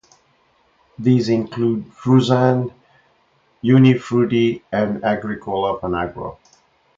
These include: Frusan, Unifruti, and Agricola Panagro.